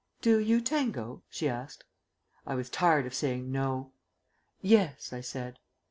"Do you tango?" she asked. I was tired of saying "No." "Yes," I said.